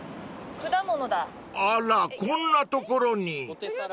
［あらこんな所に］